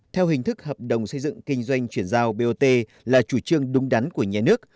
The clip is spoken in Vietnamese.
theo hình thức hợp đồng xây dựng kinh doanh chuyển giao bot là chủ trương đúng đắn của nhà nước